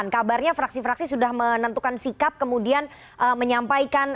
kabarnya fraksi fraksi sudah menentukan sikap kemudian menyampaikan